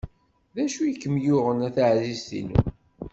D acu i kem-yuɣen a taɛzizt-inu?